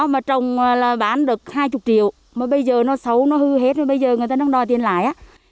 mà trồng là bán được hai mươi triệu mà bây giờ nó xấu nó hư hết rồi bây giờ người ta đang đòi tiền lại á